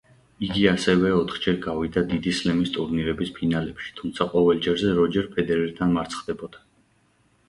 იგი ასევე ოთხჯერ გავიდა დიდი სლემის ტურნირების ფინალებში, თუმცა ყოველ ჯერზე როჯერ ფედერერთან მარცხდებოდა.